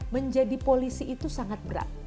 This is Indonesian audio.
menjadi polisi itu sangat berat